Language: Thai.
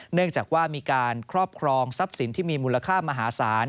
เนื่องจากว่ามีการครอบครองทรัพย์สินที่มีมูลค่ามหาศาล